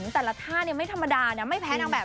แข่งห้าเนี้ยไม่ธรรมดานะให้แพ้เท่าแบบ